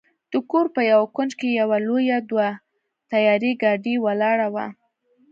د کور په یوه کونج کې یوه لویه دوه ټایره ګاډۍ ولاړه وه.